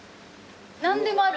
何でもある。